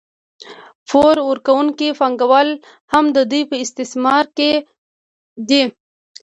پور ورکوونکي پانګوال هم د دوی په استثمار کې دي